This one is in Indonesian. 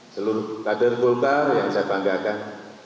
seluruh kader golkar yang saya banggakan